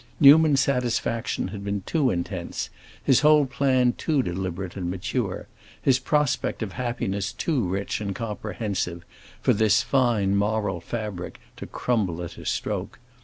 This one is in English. Newman's satisfaction had been too intense, his whole plan too deliberate and mature, his prospect of happiness too rich and comprehensive for this fine moral fabric to crumble at a stroke.